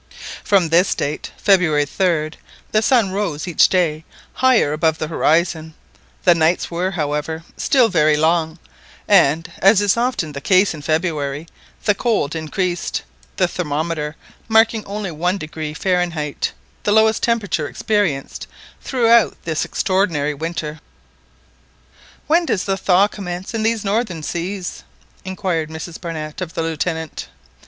From this date, February 3rd, the sun rose each day higher above the horizon, the nights were, however, still very long, and, as is often the case in February, the cold increased, the thermometer marking only 1º Fahrenheit, the lowest temperature experienced throughout this extraordinary winter. "When does the thaw commence in these northern seas?" inquired Mrs Barnett of the Lieutenant.